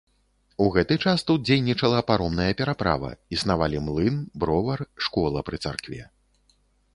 У гэты час тут дзейнічала паромная пераправа, існавалі млын, бровар, школа пры царкве.